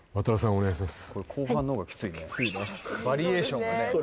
お願いします